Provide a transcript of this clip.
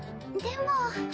でも。